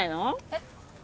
えっ？